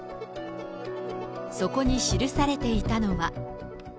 そこに記されていたのは。